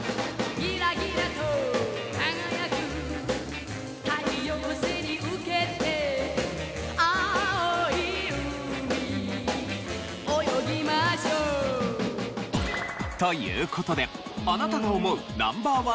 「ギラギラと輝く太陽背にうけて」「青い海泳ぎましょ」という事であなたが思うＮｏ．１